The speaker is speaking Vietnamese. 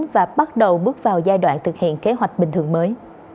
và bắt đầu bước vào giai đoạn thực hiện kế hoạch bình thường mới